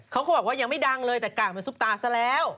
เขาก็บอกว่ายังไม่ดังเลยแต่กลายเป็นซุปตาซะแล้ว